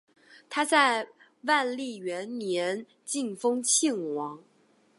他在万历元年晋封庆王。